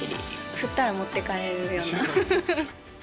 振ったら持ってかれるような。